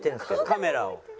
カメラを。